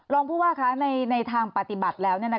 รองผู้ว่าคะในทางปฏิบัติแล้ว